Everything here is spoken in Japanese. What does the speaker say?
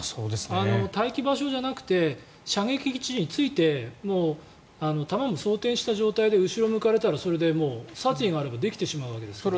待機場所じゃなくて射撃位置について弾も装てんした状態で後ろを向かれたらそれでもう殺意があればできてしまうわけですから。